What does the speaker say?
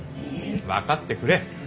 分かってくれ。